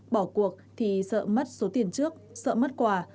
bỏ cuộc thì sợ mất số tiền trước sợ mất quà